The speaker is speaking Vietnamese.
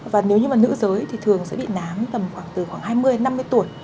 và nếu như mà nữ giới thì thường sẽ bị nám tầm khoảng từ khoảng hai mươi năm mươi tuổi